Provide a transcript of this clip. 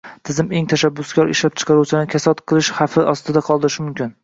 tizim eng tashabbuskor ishlab chiqaruvchilarni kasod bo‘lish xavfi ostida qoldirishi mumkin.